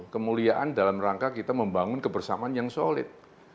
kemuliaan dalam rangka kita membangun kebersamaan yang solid